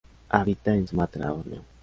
Habita en Sumatra, Borneo.